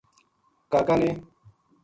کا کا نے